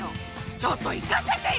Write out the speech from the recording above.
ちょっと行かせてよ。